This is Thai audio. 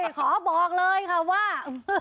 ขอบอกเลยค่ะว่า